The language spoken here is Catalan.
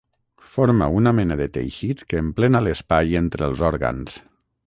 Forma una mena de teixit que emplena l'espai entre els òrgans.